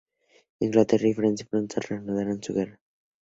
Inglaterra y Francia pronto reanudaron su guerra.